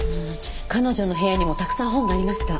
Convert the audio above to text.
彼女の部屋にもたくさん本がありました。